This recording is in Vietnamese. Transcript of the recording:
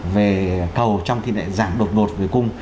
về cầu trong thì lại giảm đột ngột về cung